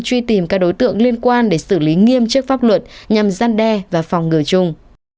truy tìm các đối tượng liên quan để xử lý nghiêm chức pháp luật nhằm gian đe và phòng ngừa chung